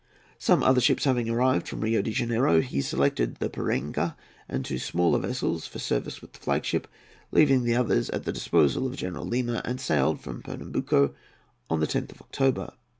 Some other ships having arrived from Rio de Janeiro, he selected the Piranga and two smaller vessels for service with the flag ship, leaving the others at the disposal of General Lima, and sailed from Pernambuco on the 10th of October.